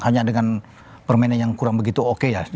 hanya dengan permainan yang kurang begitu oke ya